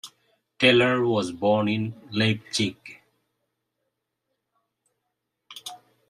Teller was born in Leipzig.